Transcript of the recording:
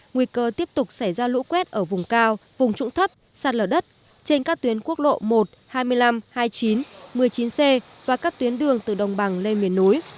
nguy cơ tiếp tục xảy ra lũ quét ở vùng cao vùng trụng thấp sạt lở đất trên các tuyến quốc lộ một hai mươi năm hai mươi chín một mươi chín c và các tuyến đường từ đồng bằng lên miền núi